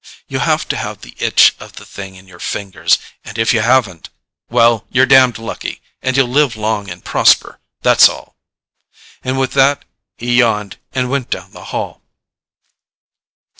You have to have the itch of the thing in your fingers, and if you haven't, well, you're damned lucky, and you'll live long and prosper, that's all." And with that he yawned and went down the hall.